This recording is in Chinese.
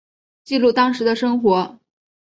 记录当时的生活